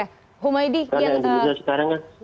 karena indonesia sekarang ya